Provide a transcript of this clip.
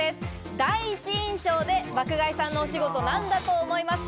第１印象で爆買いさんのお仕事は何だと思いますか？